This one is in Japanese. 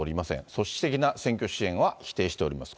組織的な選挙支援は否定しております。